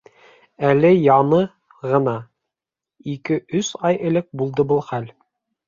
Әле яны ғына. ике-өс ай элек булды был хәл.